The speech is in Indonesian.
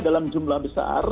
dalam jumlah besar